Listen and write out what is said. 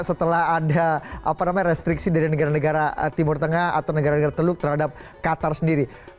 setelah ada restriksi dari negara negara timur tengah atau negara negara teluk terhadap qatar sendiri